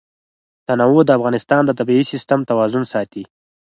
تنوع د افغانستان د طبعي سیسټم توازن ساتي.